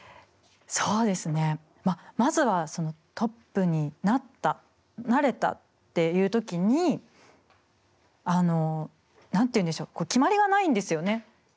そうですねまあまずはトップになったなれたっていう時にあの何て言うんでしょう決まりがないんですよね。